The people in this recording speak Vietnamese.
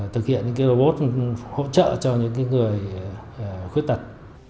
thực hiện những robot hỗ trợ cho những người khuyết tật